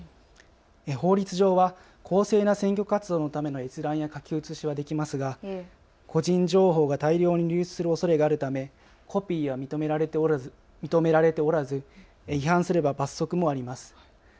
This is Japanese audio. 法律上は公正な選挙活動のための閲覧や書き写しはできますが個人情報が大量に流出するおそれがあるためコピーは認められておらず違反すれば罰則もあります。